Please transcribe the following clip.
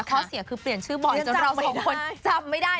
ข้อเสียคือเปลี่ยนชื่อบ่อยจนเราสองคนจำไม่ได้